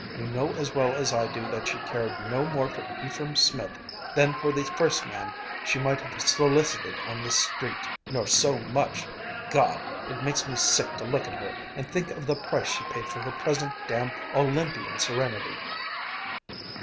You know as well as I do that she cared no more for Ephraim Smith than for the first man she might have solicited on the street nor so much! God! It makes me sick to look at her and think of the price she paid for her present damn Olympian serenity."